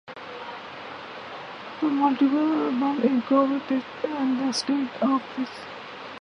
The multigenre album incorporates diverse stylistic influences, including soul, rap, jazz and rock styles.